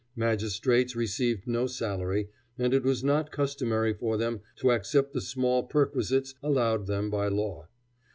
Magistrates received no salary, and it was not customary for them to accept the small perquisites allowed them by law.